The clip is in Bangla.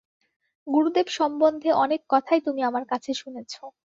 গুরুদেব সম্বন্ধে অনেক কথাই তুমি আমার কাছে শুনেছ।